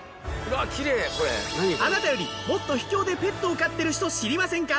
あなたよりもっと秘境でペットを飼ってる人知りませんか？